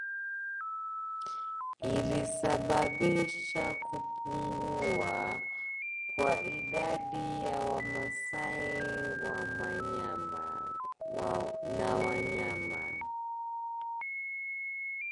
Ilisababisha kupungua kwa idadi ya Wamasai na wanyama